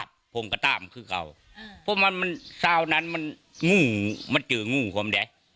ผมก็ตามคือเก่าเพราะมันมันซาวนั้นมันงูมันเจองูผมแดง